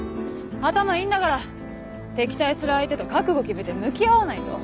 頭いいんだから敵対する相手と覚悟決めて向き合わないと。